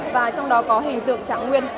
và trong đó có hình tượng trạng nguyên